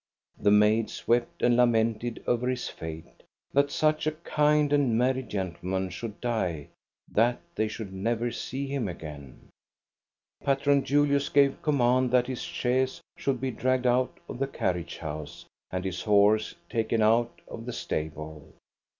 The maids wept and lamented over his fate : that such a kind and merry gentleman should die, that they should never see him again. PA TRON JULIUS 323 "Patron Julius gave command that his chaise should be dragged out of the carriage house and his borse taken out of the stable.